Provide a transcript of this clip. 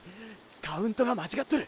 カウントが間違っとる。